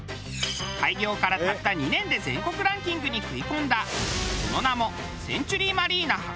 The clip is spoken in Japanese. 開業からたった２年で全国ランキングに食い込んだその名もセンチュリーマリーナ